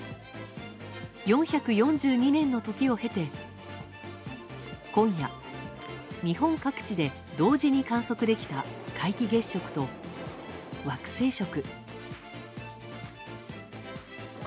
４４２年の時を経て今夜、日本各地で同時に観測できた皆既月食と惑星食。